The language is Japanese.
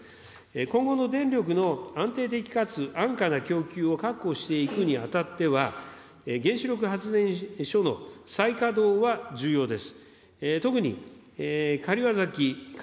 今後の電力の安定的かつ安価な供給を確保していくにあたっては、原子力発電所の再稼働が重要です。